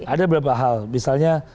ada beberapa hal misalnya